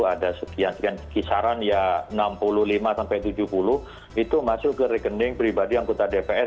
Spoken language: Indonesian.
ada sekian sekian kisaran ya enam puluh lima sampai tujuh puluh itu masuk ke rekening pribadi anggota dpr